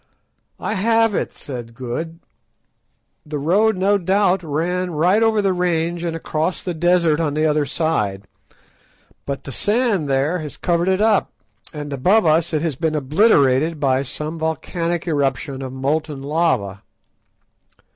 "I have it!" said Good; "the road no doubt ran right over the range and across the desert on the other side, but the sand there has covered it up, and above us it has been obliterated by some volcanic eruption of molten lava."